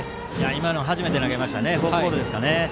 今のは初めて投げましたねフォークボールですかね。